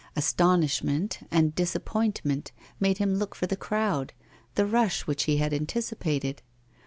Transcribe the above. Astonishment and disappointment made him look for the crowd, the rush which he had anticipated.